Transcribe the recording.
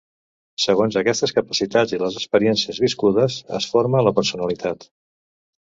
Segons aquestes capacitats i les experiències viscudes, es forma la personalitat.